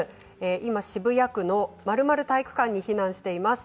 今、渋谷区の○○体育館に避難しています。